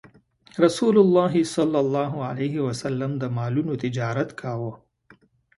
رسول الله ﷺ د مالونو تجارت کاوه.